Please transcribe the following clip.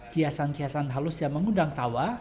kiasan kiasan halus yang mengundang tawa